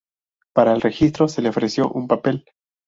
Para el registro, se le ofreció un papel.